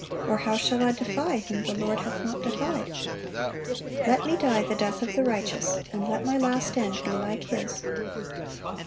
or how shall I defy, whom the Lord hath not defied?" "Let me die the death of the righteous, and let my last end be like his!"